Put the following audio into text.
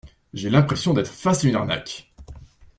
J’ai l’impression d’être face à une arnaque.